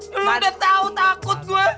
lo udah tau takut gue